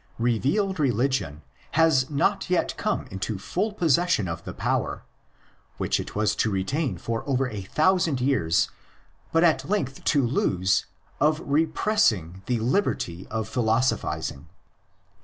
'' Revealed religion" has not yet come into 58 THE ORIGINS OF CHRISTIANITY full possession of the power, which it was to retain for over ἃ thousand years but at length to lose, of repres sing the "liberty of philosophising.